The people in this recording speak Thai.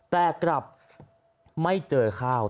แต่กลับไม่เจอข้าว